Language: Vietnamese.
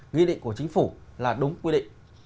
nghị định của chính phủ là đúng quy định